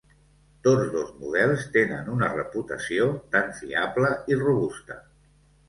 Tots dos models tenen una reputació tan fiable i robusta.